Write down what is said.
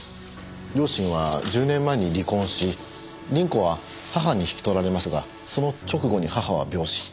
両親は１０年前に離婚し凛子は母に引き取られますがその直後に母は病死。